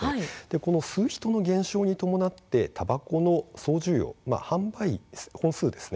この吸う人の減少に伴ってたばこの総需要、販売本数ですね。